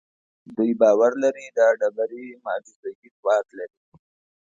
دوی باور لري دا ډبرې معجزه اي ځواک لري.